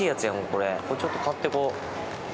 これ、ちょっと買ってこう。